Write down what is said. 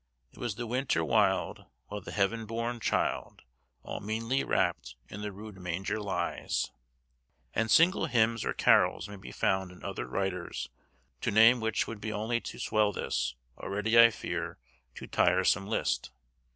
"It was the winter wild, While the heaven born child, All meanly wrapt, in the rude manger lies;" and single hymns or carols may be found in other writers, to name which would only be to swell this, already I fear, too tiresome list.